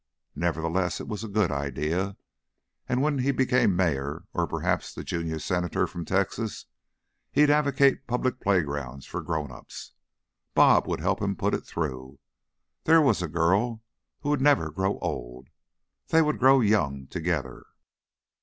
Nevertheless, it was a good idea, and when he became mayor, or perhaps the junior Senator from Texas, he'd advocate public playgrounds for grown ups. "Bob" would help him put it through. There was a girl who would never grow old. They would grow young together.